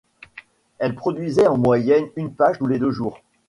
Elle produisait en moyenne une page tous les deux jours.